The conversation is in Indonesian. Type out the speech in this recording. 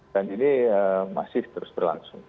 dan ini masih terus berlangsung